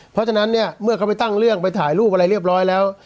เพราะฉะนั้นเนี่ยเมื่อเขาไปตั้งเรื่องไปถ่ายรูปอะไรเรียบร้อยแล้ว